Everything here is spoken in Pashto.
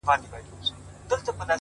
پټ کي څرگند دی-